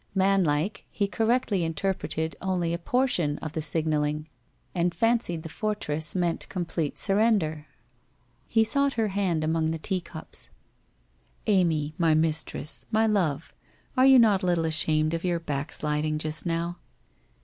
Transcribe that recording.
Man like, he correctly in terpreted only a portion of the signalling, and fancied WHITE ROSE OF WEARY LEAF 303 the fortress meant complete surrender. He sought her hand among the teacups: ' Amy, my mistress, my love, are you not a little ashamed of your backsliding just now